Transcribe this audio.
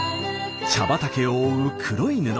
茶畑を覆う黒い布。